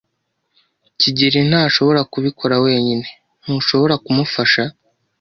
kigeli ntashobora kubikora wenyine. Ntushobora kumufasha?